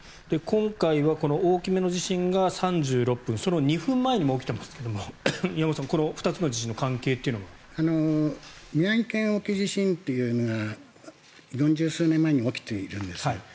今回は大きめの地震が３６分その２分前にも起きてますけれども山本さん、この２つの地震の関係というのは？宮城県沖地震というのが４０数年前に起きているんです。